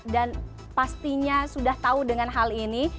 dan pastinya sudah tahu dengan hal ini